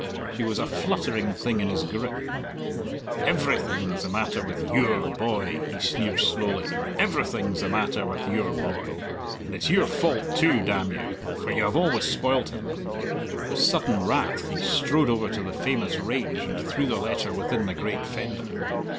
She was a fluttering thing in his grip. "Every thing's the matter with your boy," he sneered slowly, "every thing's the matter with your boy. And it's your fault too, damn you, for you always spoiled him!" With sudden wrath he strode over to the famous range and threw the letter within the great fender.